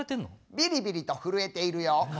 ビリビリと震えているよ。何？